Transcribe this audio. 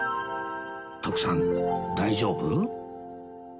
徳さん大丈夫？